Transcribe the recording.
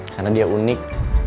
karena dia unik